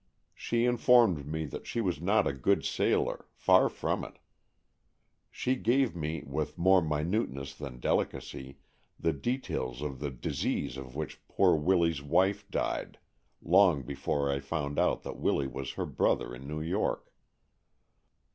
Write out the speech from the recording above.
She in formed me that she was not a good sailor, far from it. She gave me, with more minute ness than delicacy, the details of the disease of which poor Willy's wife died, long before I found out that Willy was her brother in New York.